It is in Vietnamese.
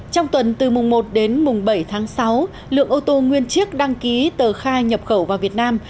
trong tuần từ mùng một đến mùng bảy tháng sáu lượng ô tô nguyên chiếc đăng ký tờ khai nhập khẩu vào việt nam